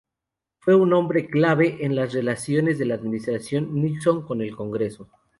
Fue un hombre clave en las relaciones de la Administración Nixon con el Congreso.